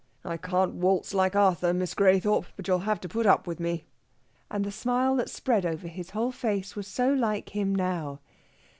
"I can't waltz like Arthur, Miss Graythorpe. But you'll have to put up with me." And the smile that spread over his whole face was so like him now.